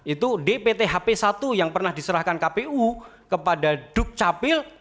itu dpthp satu yang pernah diserahkan kpu kepada dukcapil